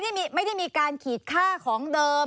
ไม่ได้มีการขีดค่าของเดิม